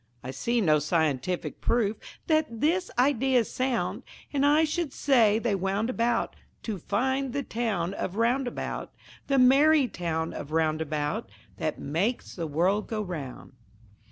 I see no scientific proof That this idea is sound, And I should say they wound about To find the town of Roundabout, The merry town of Roundabout, That makes the world go round.